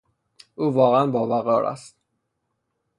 او واقعا با وقار است.